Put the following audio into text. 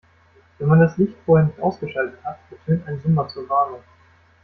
Wenn man das Licht vorher nicht ausgeschaltet hat, ertönt ein Summer zur Warnung.